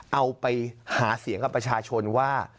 เอาไปหาเสียงกับประชาชนว่า